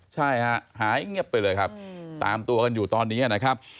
ใช่ฮะหายเงียบไปเลยครับตามตัวกันอยู่ตอนนี้นะครับ